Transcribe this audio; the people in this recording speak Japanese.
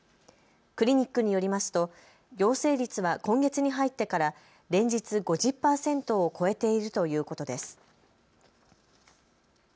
クリニックによりますと陽性率は今月に入ってから連日５０％を超えているということです。